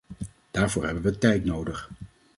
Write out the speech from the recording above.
Daarvoor hebben we tijd nodig.